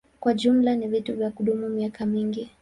Kwa jumla ni vitu vya kudumu miaka mingi.